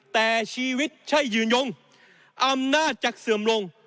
แต่ชีวิตใช่ยืนยงอำนาจจะเสื่อมลง